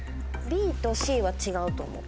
ＢとＣは違うと思う。